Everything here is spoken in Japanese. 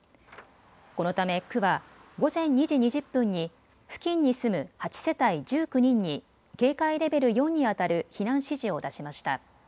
このため区は午前２時２０分に付近に住む８世帯１９人に警戒レベル４にあたる避難指示を出しました。